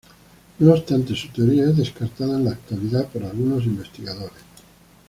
No obstante, su teoría es descartada en la actualidad por algunos investigadores.